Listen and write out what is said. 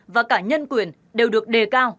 và cả nhân quyền đều được đề cao